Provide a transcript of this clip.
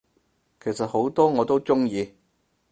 其實好多我都鍾意